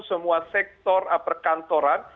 semua sektor perkantoran